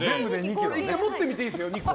１回持ってみていいですよ、２個。